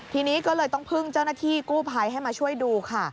ทีนี้ก็เลยต้องพึ่งเจ้าหน้าที่กู้ภัยให้มาช่วยดูค่ะ